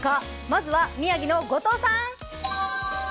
まずは宮城の後藤さん！